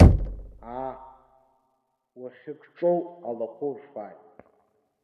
Аа, уахьыкҿоу алақәа урфааит.